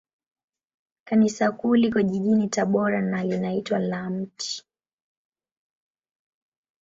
Kanisa Kuu liko jijini Tabora, na linaitwa la Mt.